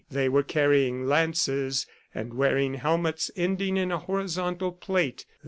They were carrying lances and wearing helmets ending in a horizontal plate